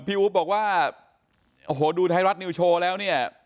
อุ๊บบอกว่าโอ้โหดูไทยรัฐนิวโชว์แล้วเนี่ย